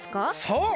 そう！